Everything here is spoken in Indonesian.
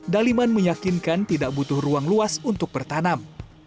daliman meyakinkan tidak butuh ruang luas untuk bertanam